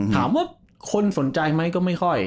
ถามว่าคนสนใจไหมก็ไม่ค่อย